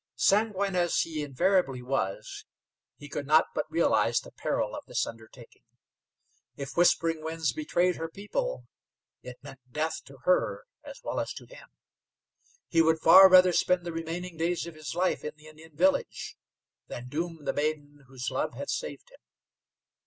Sanguine as he invariably was, he could not but realize the peril of this undertaking. If Whispering Winds betrayed her people, it meant death to her as well as to him. He would far rather spend the remaining days of his life in the Indian village, than doom the maiden whose love had saved him.